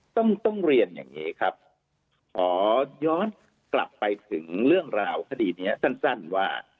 ต้องต้องเรียนอย่างนี้ครับขอย้อนกลับไปถึงเรื่องราวคดีนี้สั้นว่า